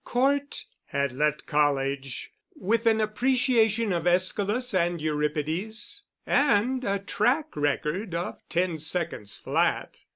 Cort had left college with an appreciation of Æschylus and Euripides and a track record of ten seconds flat.